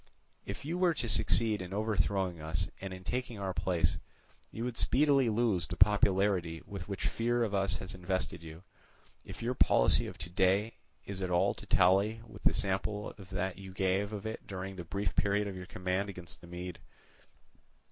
If you were to succeed in overthrowing us and in taking our place, you would speedily lose the popularity with which fear of us has invested you, if your policy of to day is at all to tally with the sample that you gave of it during the brief period of your command against the Mede.